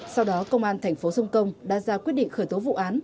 sau đó công an thành phố sông công đã ra quyết định khởi tố vụ án